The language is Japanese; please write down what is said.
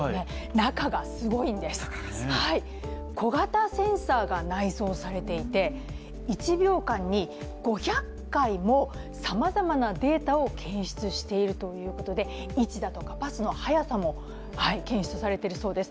中がすごいんです、小型センサーが内蔵されていて１秒間に５００回もさまざまなデータを検出しているということで位置だとかパスの速さも検出されているそうです。